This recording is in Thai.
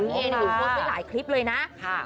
พี่เอนหิวพ่อซึ่งหลายคลิปเลยนะ